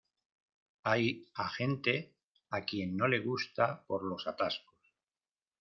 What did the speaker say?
hay a gente a quien no le gusta por los atascos